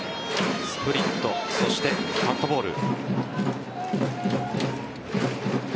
スプリット、そしてカットボール。